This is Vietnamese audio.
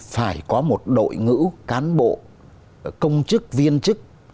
phải có một đội ngũ cán bộ công chức viên chức